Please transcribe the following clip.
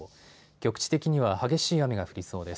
局地的には激しい雨が降りそうです。